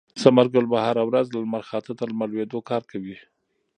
ثمرګل به هره ورځ له لمر خاته تر لمر لوېدو کار کوي.